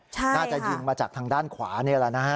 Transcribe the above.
น่าจะยิงมาจากทางด้านขวานี่แหละนะฮะ